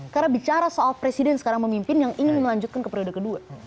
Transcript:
karena bicara soal presiden yang sekarang memimpin yang ingin melanjutkan ke periode kedua